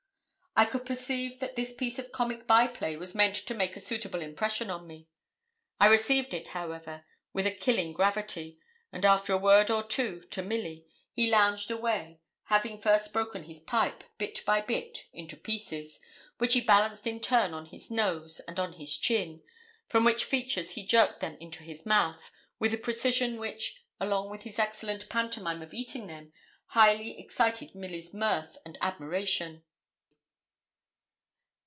I could perceive that this piece of comic by play was meant to make a suitable impression on me. I received it, however, with a killing gravity; and after a word or two to Milly, he lounged away, having first broken his pipe, bit by bit, into pieces, which he balanced in turn on his nose and on his chin, from which features he jerked them into his mouth, with a precision which, along with his excellent pantomime of eating them, highly excited Milly's mirth and admiration.